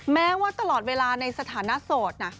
แม้ว่าตลอดเวลาในสถานะโสดนะ